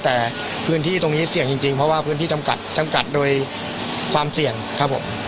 แต่พื้นที่ตรงนี้เสี่ยงจริงเพราะว่าพื้นที่จำกัดจำกัดโดยความเสี่ยงครับผม